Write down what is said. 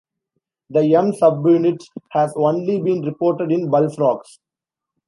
The M subunit has only been reported in bullfrogs.